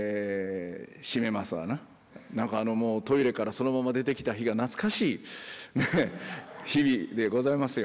なんかトイレからそのまま出てきた日が懐かしい日々でございますよ